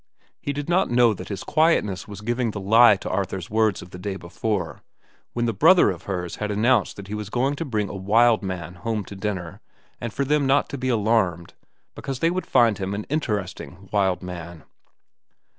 He did not know that his quietness was giving the lie to Arthur's words of the day before, when that brother of hers had announced that he was going to bring a wild man home to dinner and for them not to be alarmed, because they would find him an interesting wild man.